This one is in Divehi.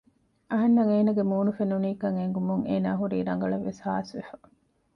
އަހަންނަށް އޭނާގެ މޫނު ފެނުނީކަން އެނގުމުން އޭނާ ހުރީ ރަނގަޅަށްވެސް ހާސްވެފަ